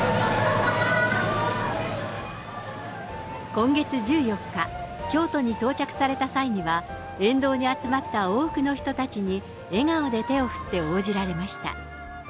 今月１４日、京都に到着された際には、沿道に集まった多くの人たちに笑顔で手を振って応じられました。